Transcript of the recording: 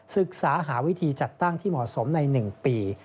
ศึกษาหาวิธีจัดตั้งที่เหมาะสมใน๑ปี